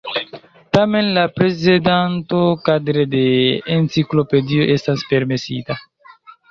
Tamen la prezentado kadre de enciklopedio estas permesita.